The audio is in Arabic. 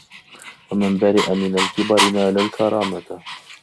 وَمَنْ بَرِئَ مِنْ الْكِبْرِ نَالَ الْكَرَامَةَ